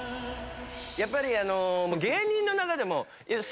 やっぱり芸人の中でも。